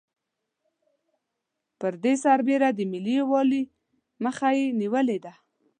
پر دې سربېره د ملي یوالي مخه یې نېولې ده.